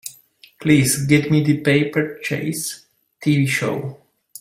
Please get me The Paper Chase TV show.